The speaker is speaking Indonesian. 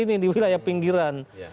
ini di wilayah pinggiran